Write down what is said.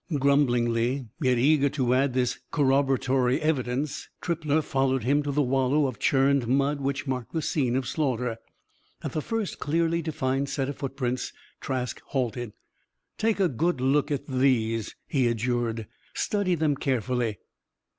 Grumblingly, yet eager to add this corroboratory evidence, Trippler followed him to the wallow of churned mud which marked the scene of slaughter. At the first clearly defined set of footprints, Trask halted. "Take a good look at those," he adjured. "Study them carefully.